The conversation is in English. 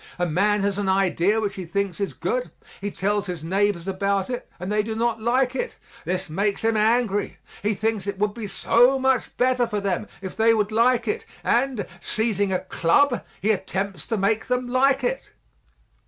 A man has an idea which he thinks is good; he tells his neighbors about it and they do not like it. This makes him angry; he thinks it would be so much better for them if they would like it, and, seizing a club, he attempts to make them like it.